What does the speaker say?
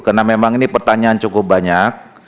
karena memang ini pertanyaan cukup banyak